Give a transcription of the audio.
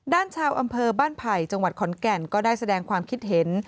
ชาวอำเภอบ้านไผ่จังหวัดขอนแก่นก็ได้แสดงความคิดเห็น